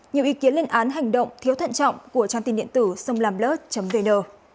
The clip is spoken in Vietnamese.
nhiều ý kiến lên án hành động thiếu thận trọng của trang tin điện tử songlamplus vn